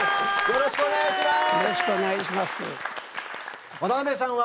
よろしくお願いします。